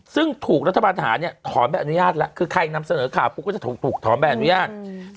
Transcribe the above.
ซึ่งถูกรัฐบาลฐานเนี่ยถอนใบอนุญาตแล้วคือใครนำเสนอข่าวปุ๊บก็จะถูกถอนใบอนุญาต